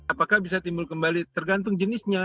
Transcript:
apakah bisa timbul kembali tergantung jenisnya